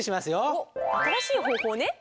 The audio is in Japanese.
おっ新しい方法ね！